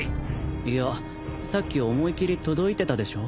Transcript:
いやさっき思い切り届いてたでしょ。